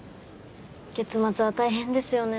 月末は大変ですよね。